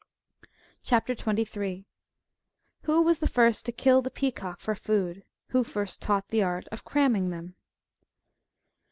CHAP. 23. WHO WAS THE FIRST TO KILL THE PEACOCK FOE FOOD. WHO FIRST TAUGHT THE ART OF CRAMMIIfG THEM".